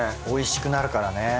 おいしくなるからね。